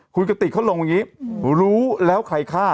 คุณกติกเขาลงอย่างนี้รู้แล้วใครฆ่า